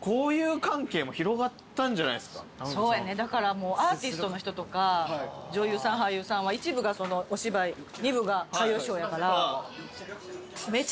そうやねだからもうアーティストの人とか女優さん俳優さんは１部がお芝居２部が歌謡ショーやから。